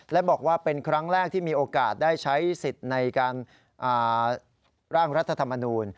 และบอกว่าเป็นครั้งแรกที่มีโอกาสได้ใช้สิทธิ์ในการร่างรัฐธรรมนูล